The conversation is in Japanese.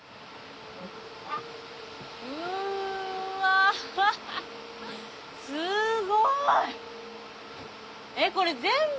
うわすごい！